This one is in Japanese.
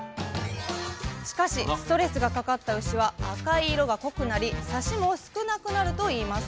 しかしストレスがかかった牛は赤い色が濃くなりサシも少なくなるといいます。